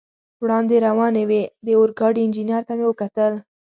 وړاندې روانې وې، د اورګاډي انجنیر ته مې وکتل.